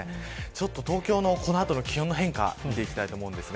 東京のこの後の気温の変化を見ていきます。